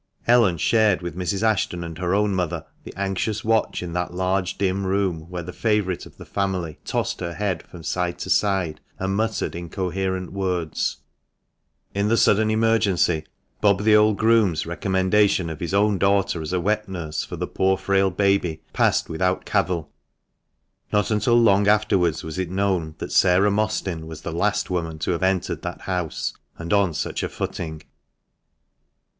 Ellen shared with Mrs. Ashton and her own mother the anxious watch in that large dim room, where the favourite of the family tossed her head from side to side, and muttered incoherent words. TUB MANCHESTER MAN. 429 In the sudden emergency, Bob the old groom's recommen dation of his own daughter as a wet nurse for the poor frail baby passed without cavil. Not until long afterwards was it known that Sarah Mostyn was the last woman to have entered that house, and on such a footing.